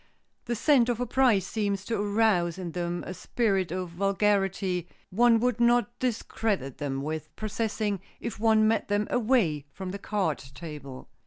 The scent of a prize seems to arouse in them a spirit of vulgarity one would not discredit them with possessing if one met them away from the card table.